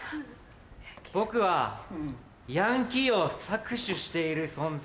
僕はヤンキーを搾取している存在。